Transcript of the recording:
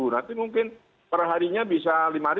nanti mungkin perharinya bisa lima